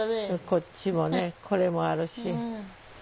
こっちもねこれもあるし。